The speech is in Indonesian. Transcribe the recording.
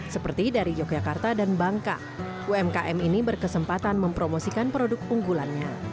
seperti dari yogyakarta dan bangka umkm ini berkesempatan mempromosikan produk unggulannya